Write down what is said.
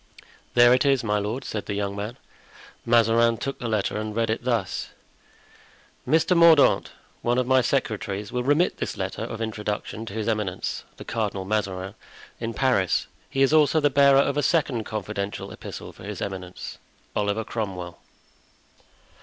"There it is, my lord," said the young man. Mazarin took the letter and read it thus: "Mr. Mordaunt, one of my secretaries, will remit this letter of introduction to His Eminence, the Cardinal Mazarin, in Paris. He is also the bearer of a second confidential epistle for his eminence. "Oliver Cromwell."